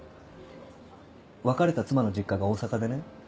別れた妻の実家が大阪でね。